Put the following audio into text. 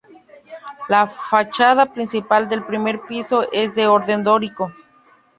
La fachada principal del primer piso es de orden dórico.